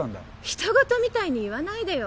ひと事みたいに言わないでよ！